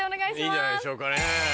いいんじゃないでしょうかね。